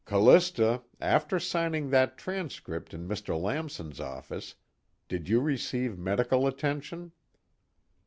"Callista, after signing that transcript in Mr. Lamson's office, did you receive medical attention?"